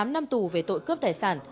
tám năm tù về tội cướp tài sản